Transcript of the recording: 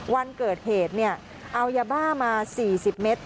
วันเกิดเหตุเอายาบ้ามา๔๐เมตร